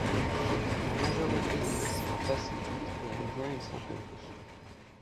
La majorité des océans Pacifique et Indien y sont compris.